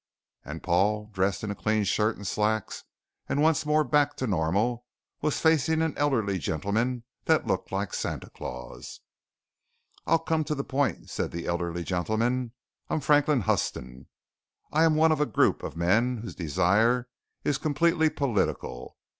And Paul, dressed in clean shirt and slacks and once more back to normal, was facing an elderly gentleman that looked like Santa Claus. "I'll come to the point," said the elderly gentleman. "I am Franklin Huston. I am one of a group of men whose desire is completely political.